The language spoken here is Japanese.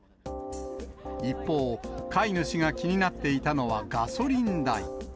一方、飼い主が気になっていたのはガソリン代。